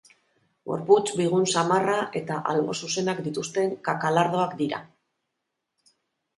Gorputz bigun samarra eta albo zuzenak dituzten kakalardoak dira.